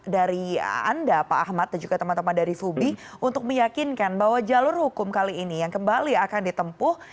dari anda pak ahmad dan juga teman teman dari fubi untuk meyakinkan bahwa jalur hukum kali ini yang kembali akan ditempuh